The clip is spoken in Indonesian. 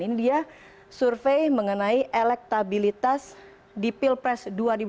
ini dia survei mengenai elektabilitas di pilpres dua ribu dua puluh